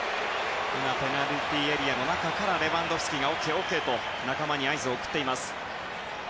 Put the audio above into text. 今、ペナルティーエリアの中からレバンドフスキが、ＯＫＯＫと仲間に合図を送っています。